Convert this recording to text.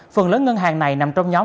phần lớn ngân hàng này nằm trong nhóm